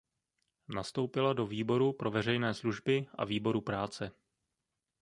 Nastoupila do výboru pro veřejné služby a výboru práce.